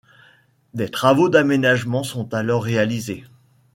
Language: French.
Des travaux d'aménagement sont alors réalisés.